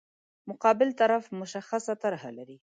مقابل طرف مشخصه طرح لري.